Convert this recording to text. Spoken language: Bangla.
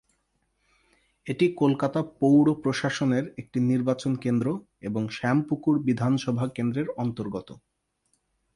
এটি কলকাতা পৌর-প্রশাসনের একটি নির্বাচন কেন্দ্র এবং শ্যামপুকুর বিধানসভা কেন্দ্রের অন্তর্গত।